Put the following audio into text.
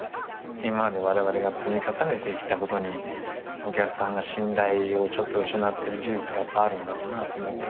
今までわれわれが積み重ねてきたことにお客さんが信頼をちょっと失ってる事実があるんだろうなと思ったから。